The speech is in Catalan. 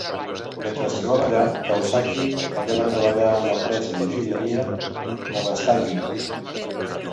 Mentre es trobava allà, Kawasaki també va treballar a una empresa de joieria, Nova Stylings.